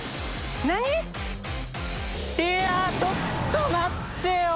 いやちょっと待ってよ！